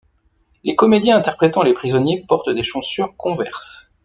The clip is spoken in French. Les comédiens interprétant les prisonniers portent des chaussures Converse.